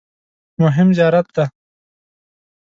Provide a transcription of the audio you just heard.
مهم زیارت دی.